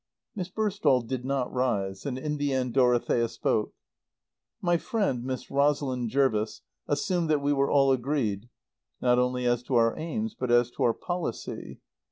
Miss Burstall did not rise and in the end Dorothea spoke. "My friend, Miss Rosalind Jervis, assumed that we were all agreed, not only as to our aims, but as to our policy.